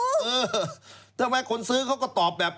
เออทำไมคนซื้อเขาก็ตอบแบบ